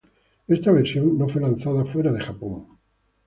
Esta versión no fue lanzada fuera de Japón.